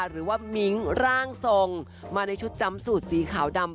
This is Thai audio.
มิ้งร่างทรงมาในชุดจำสูตรสีขาวดำ